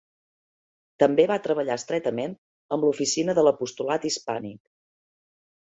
També va treballar estretament amb l'oficina de l'apostolat hispànic.